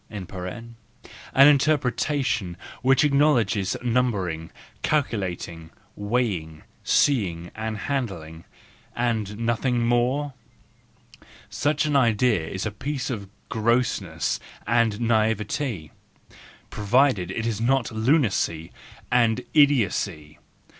\ an interpretation which acknowledges numbering, calculating, weigh¬ ing, seeing and handling, and nothing more—such an idea is a piece of grossness and na'ivety, pro¬ vided it is not lunacy and idiocy.